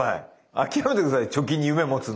諦めて下さい貯金に夢持つの。